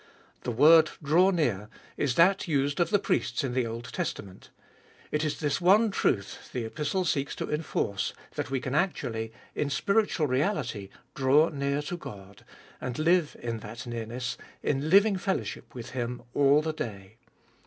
The word, draw near, is that used of the priests in the Old Testament. It is this one truth the Epistle seeks to enforce, that we can actually, in spiritual reality, draw near to God, and live in that nearness, in living fellowship with Him, all the day.